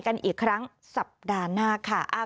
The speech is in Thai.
กันอีกครั้งสัปดาห์หน้าค่ะ